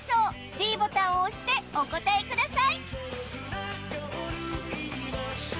ｄボタンを押してお答えください